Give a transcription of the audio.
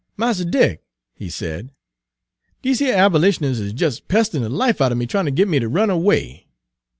"Mars Dick," he said, "dese yer abolitioners is jes' pesterin' de life out er me tryin' ter git me ter run away.